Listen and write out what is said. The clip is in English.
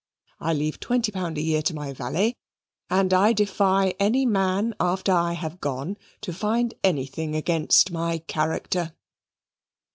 I leave twenty pound a year to my valet; and I defy any man after I have gone to find anything against my character."